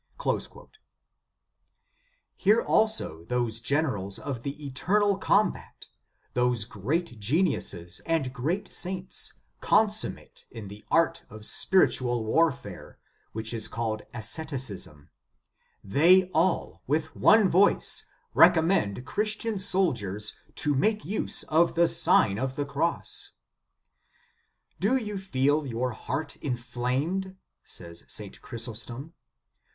"* Hear also those generals of the eternal combat, those great geniuses and great saints, consummate in the art of spiritual warfare, which is called asceticism; they all, with one voice, recommend Christian soldiers to make use of the Sign of the Cross. "Do you feel your heart inflamed?" says St. Chrysostom.